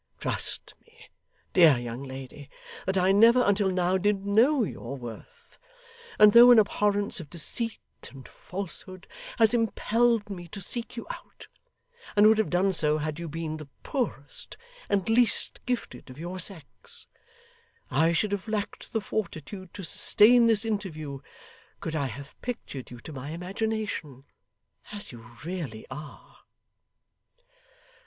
Trust me, dear young lady, that I never until now did know your worth; and though an abhorrence of deceit and falsehood has impelled me to seek you out, and would have done so had you been the poorest and least gifted of your sex, I should have lacked the fortitude to sustain this interview could I have pictured you to my imagination as you really are.